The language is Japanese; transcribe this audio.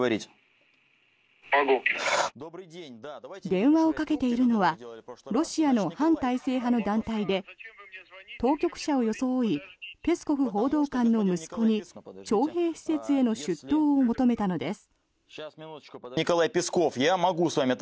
電話をかけているのはロシアの反体制派の団体で当局者を装いペスコフ報道官の息子に徴兵施設への出頭を求めたのです。